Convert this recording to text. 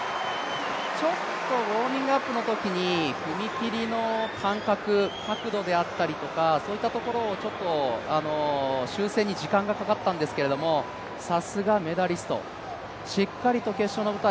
ちょっとウォーミングアップのときに踏み切りの間隔、角度であったりとか、そういったところをちょっと修正に時間がかかったんですがさすがメダリストしっかりと決勝の舞台